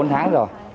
bốn tháng rồi